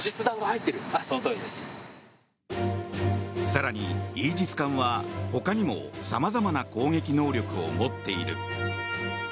更に、イージス艦はほかにも様々な攻撃能力を持っている。